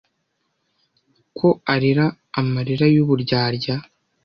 ko arira amarira y uburyarya